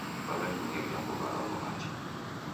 W'aw'enyinyiria mbuw'a raw'o machi.